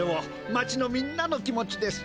町のみんなの気持ちです。